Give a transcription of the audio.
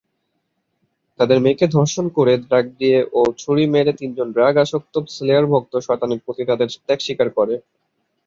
তাদের মেয়েকে ধর্ষণ করে, ড্রাগ দিয়ে ও ছুরি মেরে তিনজন ড্রাগ আসক্ত স্লেয়ার ভক্ত শয়তানের প্রতি তাদের ত্যাগ স্বীকার করে।